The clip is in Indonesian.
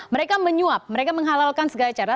mereka menyuap mereka menghalalkan segala cara